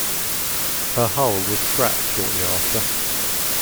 Her hull was scrapped shortly after.